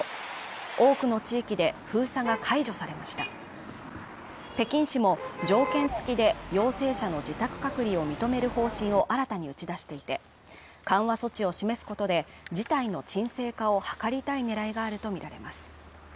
多くの地域で封鎖が解除されました北京市も条件付きで陽性者の自宅隔離を認める方針を新たに打ち出していて緩和措置を示すことで事態の沈静化を図りたいねらいがあると見られます